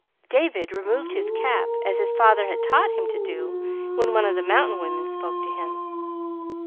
David removed his cap as his father had taught him to do when one of the mountain women spoke to him.